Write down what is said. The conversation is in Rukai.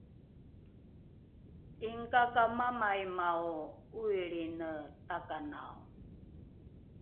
’inikakamamaimao ’oilriine takanao